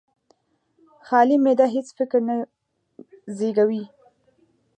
خالي معده هېڅ فکر نه زېږوي.